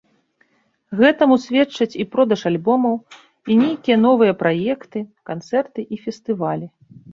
Гэтаму сведчаць і продаж альбомаў, і нейкія новыя праекты, канцэрты і фестывалі.